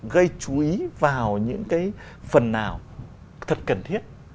gây chú ý vào những cái phần nào thật cần thiết